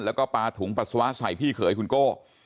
แล้วก็ปลาถุงปัสสาวะใส่พี่เขยคุณโก้